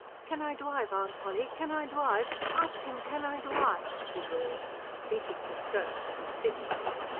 "Can I dwive, Aunt Polly, can I dwive? Ask him, can I dwive!" he roared, beating her skirts with his fists.